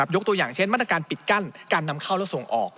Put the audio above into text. ยกตัวอย่างเช่นมาตรการปิดกั้นการนำเข้าและส่งออก